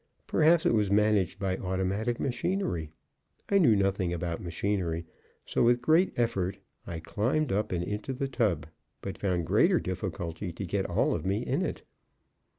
Perhaps it was managed by automatic machinery. I knew nothing about machinery; so with great effort I climbed up and into the tub, but found greater difficulty to get all of me in it.